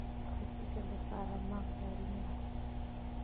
د فکر لپاره مغز اړین دی